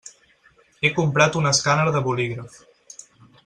He comprat un escàner de bolígraf.